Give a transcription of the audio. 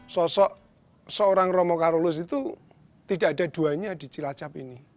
sosok seorang romo karolus itu tidak ada duanya di cilacap ini